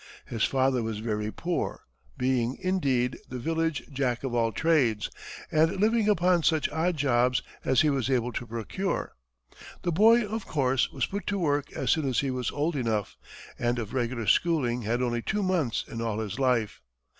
His father was very poor, being, indeed, the village jack of all trades, and living upon such odd jobs as he was able to procure. The boy, of course, was put to work as soon as he was old enough, and of regular schooling had only two months in all his life.